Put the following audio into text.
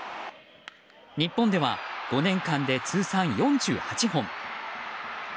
日本では、５年間で通算４８本。